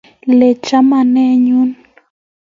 Iii chamanenyun